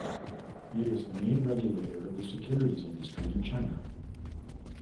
It is the main regulator of the securities industry in China.